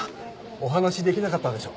お話できなかったでしょ？